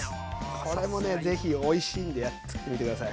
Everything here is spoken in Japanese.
これもねぜひおいしいんでつくってみて下さい。